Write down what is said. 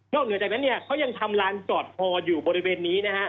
นอกเหนือจากนั้นเค้ายังทำลานจอดฮออยู่บริเวณนี้